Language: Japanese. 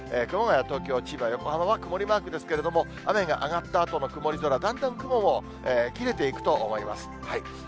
熊谷、東京、千葉、横浜は曇りマークですけれども、雨が上がったあとの曇り空、だんだん雲も切れていくと思います。